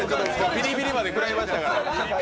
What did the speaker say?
ビリビリまでくらいましたからね。